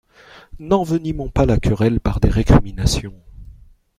N'envenimons pas la querelle par des récriminations.